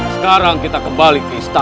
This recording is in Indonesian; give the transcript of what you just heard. sekarang kita kembali ke istana